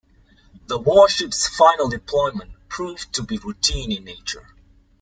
The warship's final deployment proved to be routine in nature.